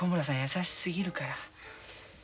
優しすぎるから。